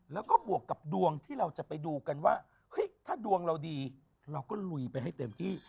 แล้วก็บวกกับดวงที่เราจะไปดูกันว่าเฮ้ยถ้าดวงเราดีเราก็ลุยไปให้เต็มที่